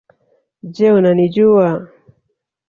Je unanijua